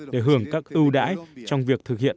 để hưởng các ưu đãi trong việc thực hiện